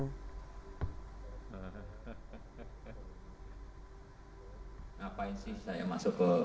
ngapain sih saya masuk ke